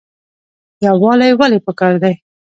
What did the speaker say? یووالی ولې پکار دی؟